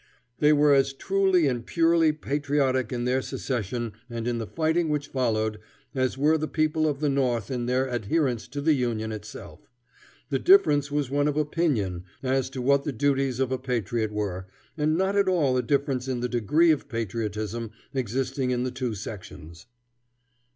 They were as truly and purely patriotic in their secession and in the fighting which followed, as were the people of the North in their adherence to the Union itself. The difference was one of opinion as to what the duties of a patriot were, and not at all a difference in the degree of patriotism existing in the two sections.